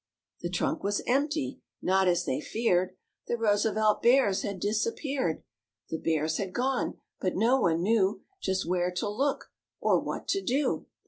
The trunk was empty; not as they feared; The Roosevelt Bears had disappeared. The Bears had gone, but no one knew Just where to look or what to do.